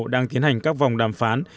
đang tiến hành các vòng đàm phán